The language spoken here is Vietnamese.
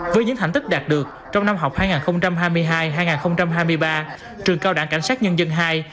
với những thành tích đạt được trong năm học hai nghìn hai mươi hai hai nghìn hai mươi ba trường cao đẳng cảnh sát nhân dân ii